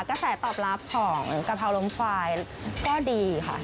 ดูขาดกาแฟตอบรับของกะเพราล้องพลายว่าก็ดีค่ะ